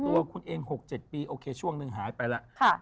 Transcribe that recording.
ตัวคุณเอง๖๗ปีโอเคช่วงหนึ่งหายไปแล้ว